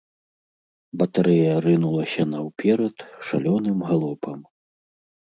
Батарэя рынулася наўперад шалёным галопам.